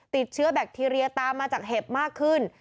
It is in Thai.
ติดเชื้อแบคทีเรียตามมาจากเห็บมากขึ้น